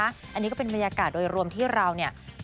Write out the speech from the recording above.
อันนี้ก็เป็นบรรยากาศโดยรวมที่เราเนี่ย